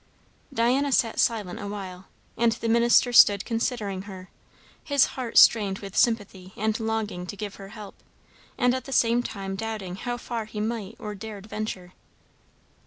Diana sat silent a while, and the minister stood considering her; his heart strained with sympathy and longing to give her help, and at the same time doubting how far he might or dared venture.